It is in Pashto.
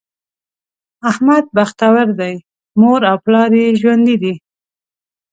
احمد بختور دی؛ مور او پلار یې ژوندي دي.